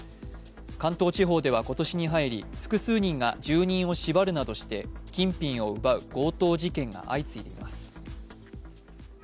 関東地方では今年に入り、複数人が住人を縛るなどして金品を奪う強盗事件が相次いでいます。